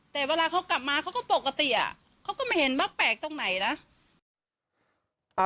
แต่เวลาเขากลับมาเขาก็ปกติเขาก็ไม่เห็นว่าแปลกตรงไหนนะ